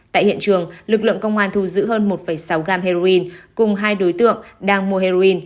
tại hiện trường lực lượng công an thu giữ hơn một sáu gam heroin cùng hai đối tượng đang mua heroin